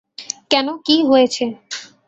কেন কী হয়েছে?